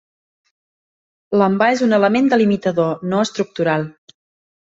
L'envà és un element delimitador, no estructural.